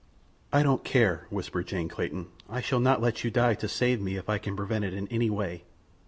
"I don't care," whispered Jane Clayton. "I shall not let you die to save me if I can prevent it in any way.